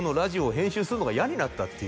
「編集するのが嫌になった」ってい